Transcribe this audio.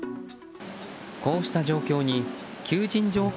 こうした状況に求人情報